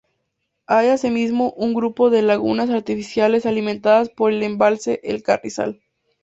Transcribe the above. Hay asimismo un grupo de lagunas artificiales alimentadas por el embalse El Carrizal.